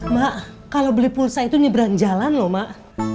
mak kalau beli pulsa itu nyebrang jalan loh mak